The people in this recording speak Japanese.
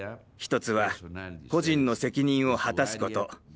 １つは個人の責任を果たすこと。